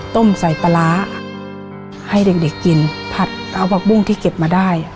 ต้มใส่ปลาร้าให้เด็กกินผัดเอาผักบุ้งที่เก็บมาได้